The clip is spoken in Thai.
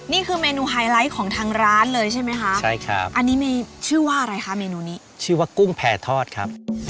นี่คือเมนูไฮไลท์ของทางร้านเลยใช่ไหมคะ